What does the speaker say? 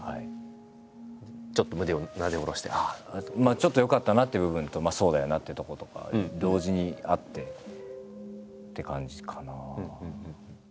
ちょっとよかったなっていう部分とそうだよなってとことか同時にあってって感じかな。